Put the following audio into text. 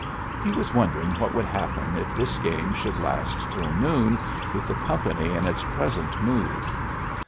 He was wondering what would happen if this game should last till noon with the company in its present mood.